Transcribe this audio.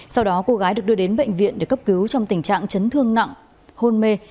sau đó cô gái được đưa đến bệnh viện để cấp cứu trong tình trạng chấn thương nặng hôn mê